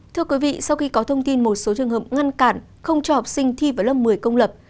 thưa quý vị sau khi có thông tin một số trường hợp ngăn cản không cho học sinh thi vào lớp một mươi công lập